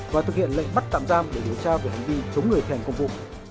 và thực hiện lệnh bắt tạm giam để điều tra về hành vi chống người thi hành công vụ